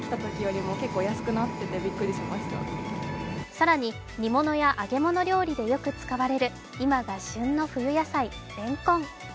更に、煮物や揚げ物料理でよく使われる今が旬の冬野菜、レンコン。